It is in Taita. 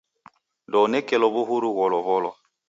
Ndounekelo w'uhuru gholow'olwa.